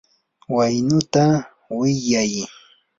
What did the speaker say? waynuta wiyay.